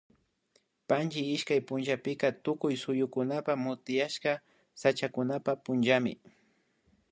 Panchi ishkay punllapika Tukuy suyupak motiashka sachakunapak punllami